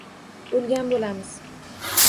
O’lgan bo’lamiz